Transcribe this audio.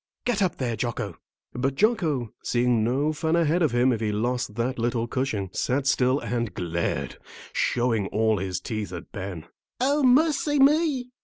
Get up there, Jocko!" But Jocko, seeing no fun ahead of him if he lost that little cushion, sat still and glared, showing all his teeth at Ben. "O mercy me!"